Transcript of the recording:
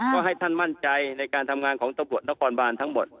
ก็ให้ท่านมั่นใจในการทำงานของตำรวจนครบานทั้งหมด